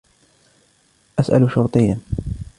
اسأل شرطيًّا!